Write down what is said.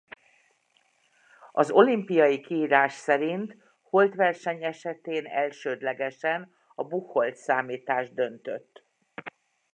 Az olimpiai kiírás szerint holtverseny esetén elsődlegesen a Buchholz-számítás döntött.